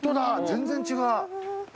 全然違う。